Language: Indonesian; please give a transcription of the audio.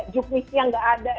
juknisnya nggak ada